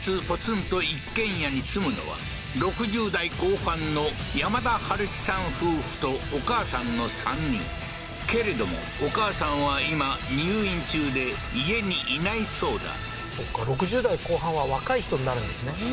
ポツンと一軒家に住むのは６０代後半のヤマダハルキさん夫婦とお母さんの３人けれどもお母さんは今入院中で家にいないそうだそっか６０代後半は若い人になるんですね